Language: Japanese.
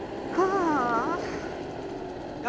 ああ！